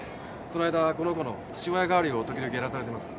その間この子の父親代わりを時々やらされてます。